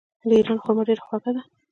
د ایران خرما ډیره خوږه ده.